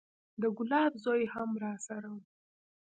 د ګلاب زوى هم راسره و.